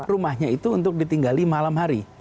rumahnya itu untuk ditinggali malam hari